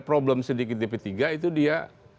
problem sedikit di p tiga itu dia